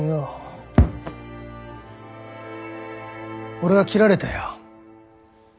俺は切られたよ。